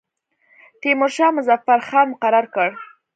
تیمورشاه مظفر خان مقرر کړ.